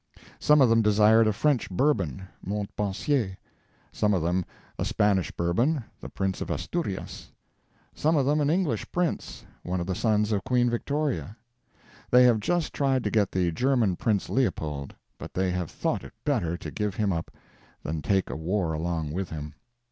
Some of them desired a French Bourbon, Montpensier; some of them a Spanish Bourbon, the Prince of Asturias; some of them an English prince, one of the sons of Queen Victoria. They have just tried to get the German Prince Leopold; but they have thought it better to give him up than take a war along with him.